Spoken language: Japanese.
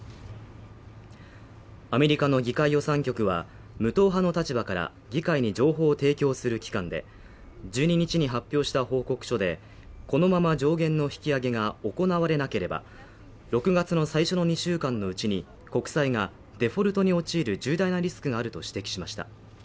アメリカの議会予算局は無党派の立場から、議会に情報を提供する機関で、１２日に発表した報告書で、このまま上限の引き上げが行われなければ、６月の最初の２週間のうちに、国債がデフォルトに陥る重大なリスクがあると指摘しました。